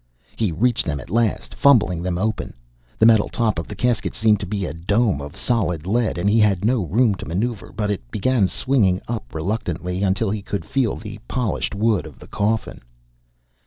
He reached them at last, fumbling them open. The metal top of the casket seemed to be a dome of solid lead, and he had no room to maneuver, but it began swinging up reluctantly, until he could feel the polished wood of the coffin.